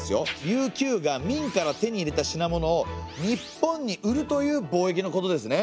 琉球が明から手に入れた品物を日本に売るという貿易のことですね。